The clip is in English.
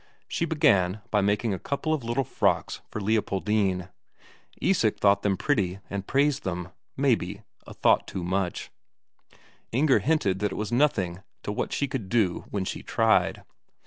She began by making a couple of little frocks for Leopoldine. Isak thought them pretty, and praised them, maybe, a thought too much; Inger hinted that it was nothing to what she could do when she tried.